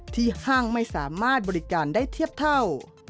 ห้างไม่สามารถบริการได้เทียบเท่า